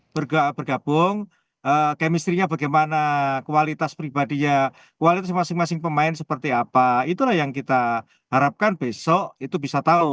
bergabung kemistrinya bagaimana kualitas pribadinya kualitas masing masing pemain seperti apa itulah yang kita harapkan besok itu bisa tahu